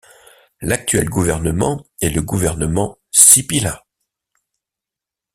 L'actuel gouvernement est le gouvernement Sipilä.